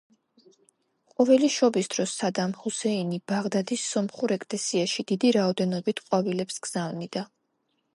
ყოველი შობის დროს სადამ ჰუსეინი ბაღდადის სომხურ ეკლესიაში დიდი რაოდენობით ყვავილებს გზავნიდა.